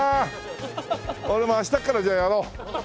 俺も明日からじゃあやろう。